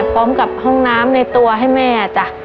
พร้อมกับห้องน้ำในตัวให้แม่จ้ะ